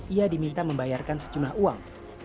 ia diminta membayarkan sejumlah uang